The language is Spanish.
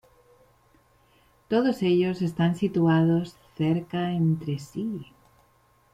Todos ellos están situados cerca entre sí.